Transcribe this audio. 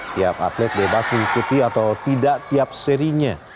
tiap atlet bebas mengikuti atau tidak tiap serinya